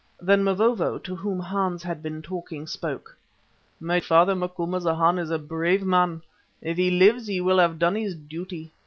Then Mavovo, to whom Hans had been talking, spoke. "My father Macumazana is a brave man. If he lives he will have done his duty.